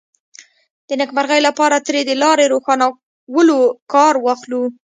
د نېکمرغۍ لپاره ترې د لارې روښانولو کار واخلو.